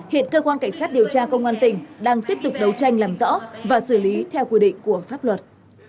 hiện cơ quan cảnh sát điều tra công an tỉnh đang tiếp tục đấu tranh làm rõ và xử lý theo quy định của pháp luật